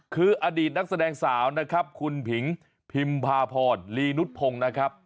คืออดีตนักแสดงสาวนะครับคุณผิงพิมพาพรลีนุษพงศ์นะครับ